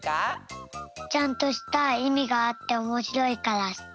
ちゃんとしたいみがあっておもしろいからすき。